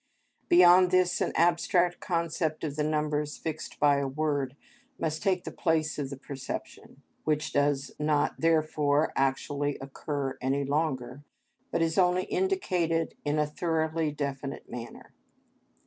Beyond this an abstract concept of the numbers, fixed by a word, must take the place of the perception; which does not therefore actually occur any longer, but is only indicated in a thoroughly definite manner.